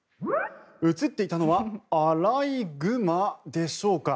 映っていたのはアライグマでしょうか。